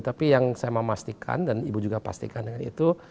tapi yang saya memastikan dan ibu juga pastikan dengan itu